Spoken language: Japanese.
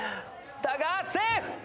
だがセーフ！